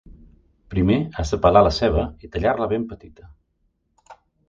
Primer has de pelar la ceba i tallar-la ben petita.